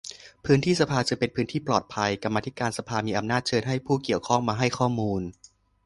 พื้นที่สภาจึงเป็นพื้นที่ปลอดภัย กรรมาธิการสภามีอำนาจเชิญให้ผู้เกี่ยวข้องมาให้ข้อมูล